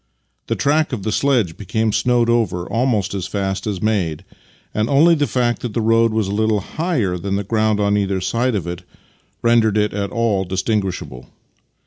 The track of the sledge became snowed over almost as fast as made, and only the fact that the road was a little higher than the ground on either side of it rendered it at all distinguishable.